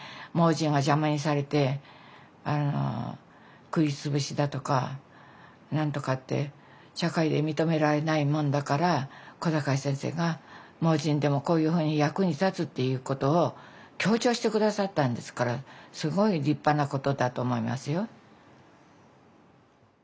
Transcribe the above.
盲人は邪魔にされて食い潰しだとか何とかって社会で認められないもんだから小坂井先生が盲人でもこういうふうに役に立つっていうことを強調して下さったんですからすごい立派なことだと思いますよ。